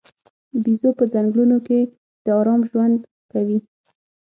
بیزو په ځنګلونو کې د آرام ژوند کوي.